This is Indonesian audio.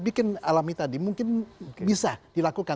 bikin alami tadi mungkin bisa dilakukan